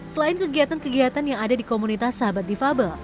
selain kegiatan kegiatan yang ada di komunitas sahabat difabel